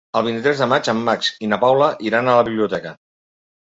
El vint-i-tres de maig en Max i na Paula iran a la biblioteca.